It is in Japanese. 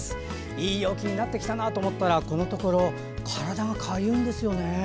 いい陽気になってきたなと思ったらこのところ体がかゆいんですよね。